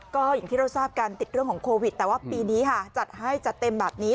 ก็อย่างที่เราทราบกันติดเรื่องของโควิดแต่ว่าปีนี้ค่ะจัดให้จัดเต็มแบบนี้